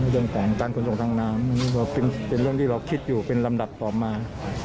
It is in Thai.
เรื่องของการขนส่งทางน้ำเป็นเรื่องที่เราคิดอยู่เป็นลำดับต่อมา